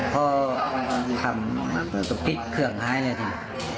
พ่อทำตกพิษเครื่องหายเลยที